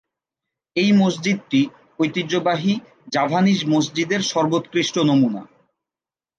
এই মসজিদটি ঐতিহ্যবাহী জাভানিজ মসজিদের সর্বোৎকৃষ্ট নমুনা।